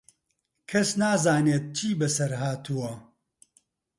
کەس نازانێت چی بەسەر هاتووە.